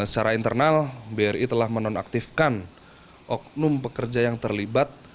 secara internal bri telah menonaktifkan oknum pekerja yang terlibat